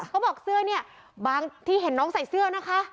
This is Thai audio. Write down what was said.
เขาบอกเสื้อเนี่ยบางที่เห็นน้องใส่เสื้อนะคะ